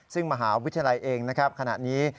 ซึ่งมหาวิทยาลัยเองนะครับขณะนี้